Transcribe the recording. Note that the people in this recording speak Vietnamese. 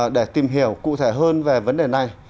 để tìm hiểu cụ thể hơn về vấn đề này